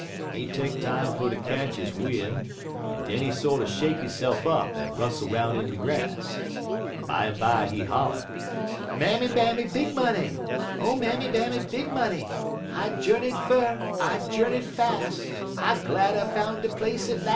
He take time fer ter ketch he win', en den he sorter shake hisse'f up en rustle 'roun' in de grass. Bimeby he holler: "'Mammy Bammy Big Money! O Mammy Bammy Big Money! I journeyed fur, I journeyed fas'; I glad I foun' de place at las'.'